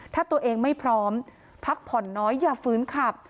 ถ้าตัวเองไม่พร้อมพักผ่อนน้อยอย่าฟื้นขับ